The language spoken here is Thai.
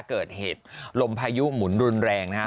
เกิดเหตุลมพายุหมุนรุนแรงนะฮะ